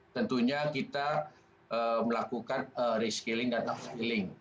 tentunya kita melakukan reskilling dan upskilling